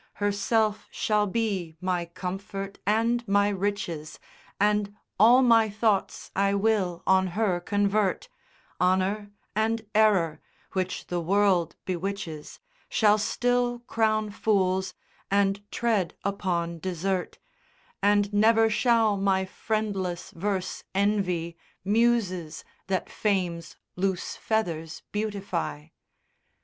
Herself shall be my comfort and my riches, And all my thoughts I will on her convert; Honour, and error, which the world bewitches, Shall still crown fools, and tread upon desert, And never shall my friendless verse envy Muses that Fame's loose feathers beautify.